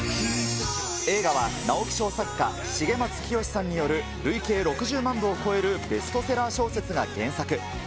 映画は、直木賞作家、重松清さんによる累計６０万部を超えるベストセラー小説が原作。